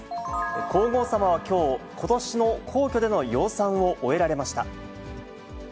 皇后さまはきょう、ことしの皇居での養蚕を終えられました。